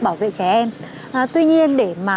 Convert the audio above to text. bảo vệ trẻ em tuy nhiên để mà